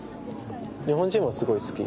日本人もすごい好き。